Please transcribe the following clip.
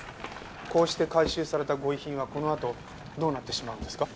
こうして回収されたご遺品はこのあとどうなってしまうんですか？